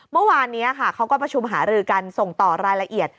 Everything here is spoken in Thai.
เมื่อวานนี้ค่ะเขาก็ประชุมหารือกันส่งต่อรายละเอียด